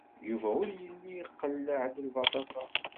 Yuba ur yelli iqelleɛ-d lbaṭaṭa.